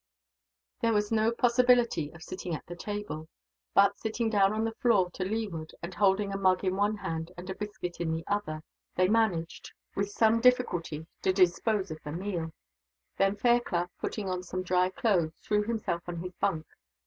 There was no possibility of sitting at the table. But, sitting down on the floor to leeward, and holding a mug in one hand and a biscuit in the other, they managed, with some difficulty, to dispose of the meal. Then Fairclough, putting on some dry clothes, threw himself on his bunk.